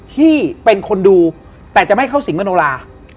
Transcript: ที่เป็นคนดูแต่จะไม่เข้าสิงมโนรา